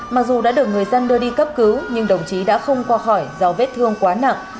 mặc dù đã được người dân đưa đi cấp cứu nhưng đồng chí đã không qua khỏi do vết thương quá nặng